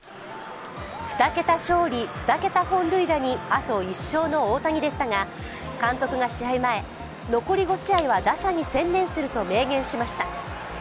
２桁勝利・２桁本塁打にあと１勝の大谷でしたが監督が試合前、残り５試合は打者に専念すると明言しました。